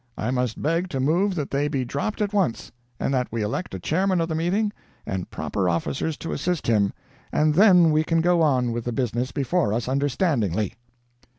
I must beg to move that they be dropped at once, and that we elect a chairman of the meeting and proper officers to assist him, and then we can go on with the business before us understandingly.'